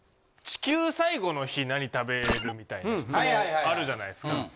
「地球最後の日何食べる？」みたいな質問あるじゃないですか。